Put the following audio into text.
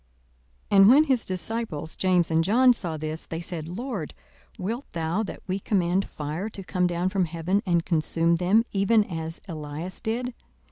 42:009:054 And when his disciples James and John saw this, they said, Lord, wilt thou that we command fire to come down from heaven, and consume them, even as Elias did?